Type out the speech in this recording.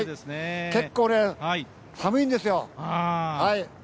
結構、寒いんですよ。